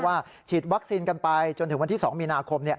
ฉีดวัคซีนกันไปจนถึงวันที่๒มีนาคม